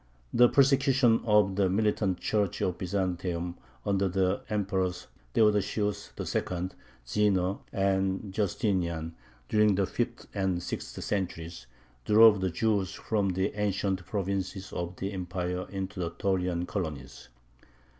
The persecutions of the militant Church of Byzantium under the Emperors Theodosius II., Zeno, and Justinian, during the fifth and sixth centuries, drove the Jews from the ancient provinces of the Empire into the Taurian colonies.